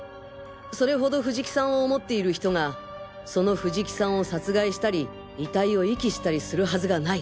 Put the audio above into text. それほど藤木さんを思っている人がその藤木さんを殺害したり遺体を遺棄したりするはずがない。